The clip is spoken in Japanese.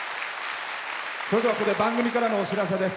それでは、ここで番組からのお知らせです。